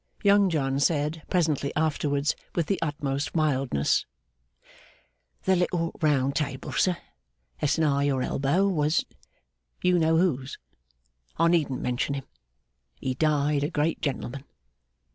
Young John said, presently afterwards, with the utmost mildness: 'The little round table, sir, that's nigh your elbow, was you know whose I needn't mention him he died a great gentleman.